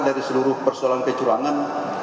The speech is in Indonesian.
dari seluruh persoalan kecurangan